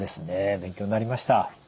勉強になりました。